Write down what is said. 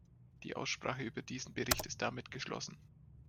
Die Aussprache über diesen Bericht ist damit geschlossen.